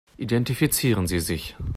Identifizieren Sie sich.